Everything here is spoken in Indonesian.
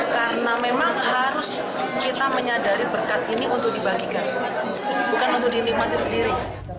karena memang harus kita menyadari berkat ini untuk dibagikan bukan untuk dinikmati sendiri